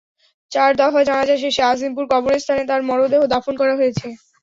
চার দফা জানাজা শেষে আজিমপুর কবরস্থানে তাঁর মরদেহ দাফন করা হয়েছে।